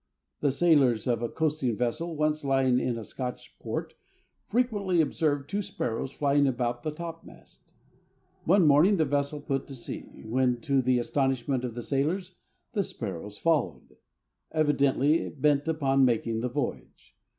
The sailors of a coasting vessel once lying in a Scotch port frequently observed two sparrows flying about the topmast. One morning the vessel put to sea, when, to the astonishment of the sailors, the sparrows followed, evidently bent upon making the voyage.